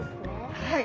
はい。